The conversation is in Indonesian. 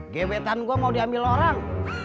gebetan gue mau diambil orang